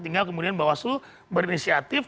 tinggal kemudian bawaslu berinisiatif